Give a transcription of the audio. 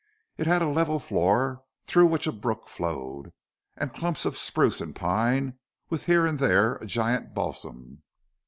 It had a level floor, through which a brook flowed, and clumps of spruce and pine, with here and there a giant balsam.